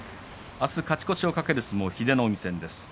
あす勝ち越しを懸ける相撲は英乃海戦です。